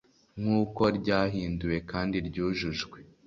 nk uko ryahinduwe kandi ryujujwe